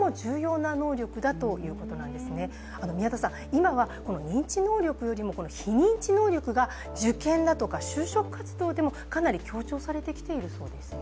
今は認知能力よりもこの非認知能力が受験だとか就職活動でもかなり強調されてきているそうですね？